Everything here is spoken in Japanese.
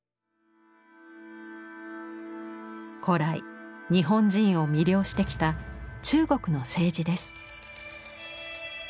古来日本人を魅了してきた中国の青磁です。